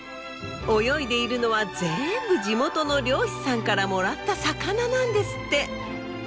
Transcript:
泳いでいるのはぜんぶ地元の漁師さんからもらった魚なんですって。